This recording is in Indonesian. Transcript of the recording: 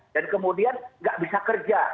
dan kemudian nggak bisa kerja